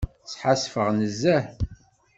Sḥassfeɣ nezzeh.